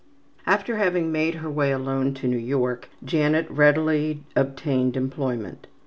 After having made her way alone to New York, Janet readily obtained employment.